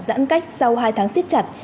giãn cách sau hai tháng xích chặt